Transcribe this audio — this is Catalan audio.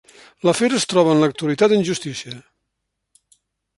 L'afer es troba en l'actualitat en justícia.